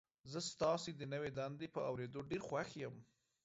زه ستاسو د نوي دندې په اوریدو ډیر خوښ یم.